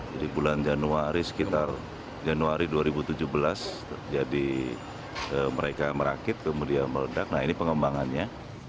jadi bulan januari sekitar januari dua ribu tujuh belas jadi mereka merakit kemudian meledak nah ini pengembangannya